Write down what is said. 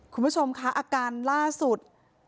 คุณผู้ชมคะอาการล่าสุด